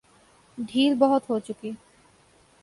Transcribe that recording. ڈھیل بہت ہو چکی۔